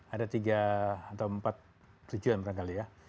ada tiga atau empat tujuan pernah kali ya